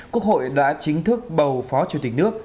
quốc hội đã chính thức bầu phó chủ tịch nước